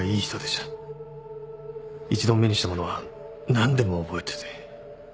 一度目にしたものは何でも覚えてて。